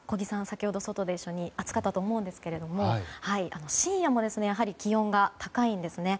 先ほど外で一緒に暑かったと思うんですが深夜も気温が高いんですね。